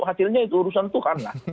hasilnya itu urusan tuhan lah